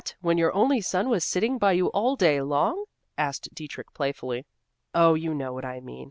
when your only son was sitting by you all day long?" asked Dietrich playfully. "Oh, you know what I mean.